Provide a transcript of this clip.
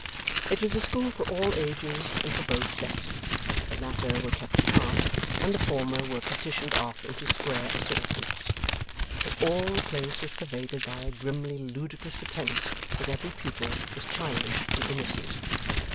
It was a school for all ages, and for both sexes. The latter were kept apart, and the former were partitioned off into square assortments. But, all the place was pervaded by a grimly ludicrous pretence that every pupil was childish and innocent.